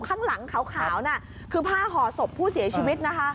ข้างหลังขาวน่ะคือผ้าห่อศพผู้เสียชีวิตนะคะ